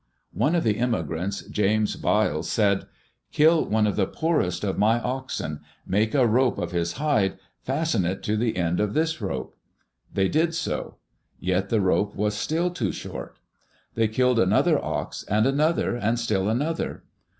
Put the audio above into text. One of the immigrants, James Byles, said: " Kill one of the poorest of my oxen. Make a rope of his hide, and fasten it to the end of this rope.'* They did so. Yet the rope was still too short. They killed another ox, and another, and still another.